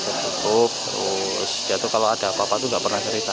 hai untuk terus jatuh kalau ada apa apa tuh nggak pernah cerita